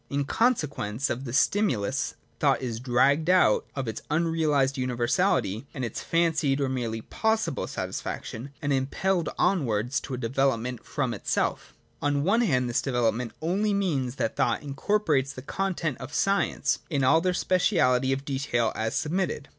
In consequence of this stimulus thought is dragged out of its unrealised universality and its fancied or merely possible satisfaction, and impelled onwards to a develop ment from itself. On one hand this development only means that thought incorporates the contents of science, in all their speciality of detail as submitted.